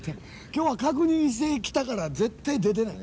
きょうは確認してしてきたから、絶対出てない。